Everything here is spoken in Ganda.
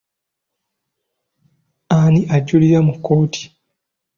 Ani ajulira mu kkooti?